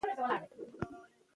يو ځل بيا کوښښ وکړئ